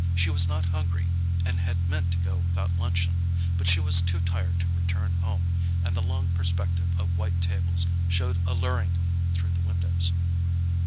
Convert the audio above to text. She was not hungry, and had meant to go without luncheon; but she was too tired to return home, and the long perspective of white tables showed alluringly through the windows.